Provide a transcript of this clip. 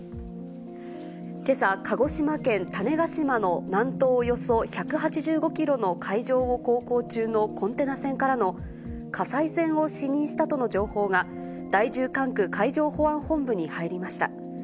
けさ、鹿児島県種子島の南東およそ１８５キロの海上を航行中のコンテナ船からの火災船を視認したとの情報が、第１０管区海上保安本部に入りました。